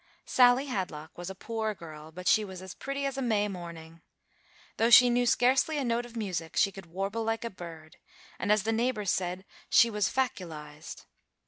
Sally Hadlock was a poor girl, but she was as pretty as a May morning. Though she knew scarcely a note of music, she could warble like a bird, and, as the neighbors said, "she was faculized."